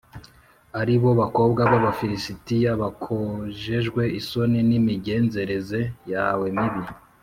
ari bo bakobwa b’Abafilisitiya, bakojejwe isoni n’imigenzereze yawe mibi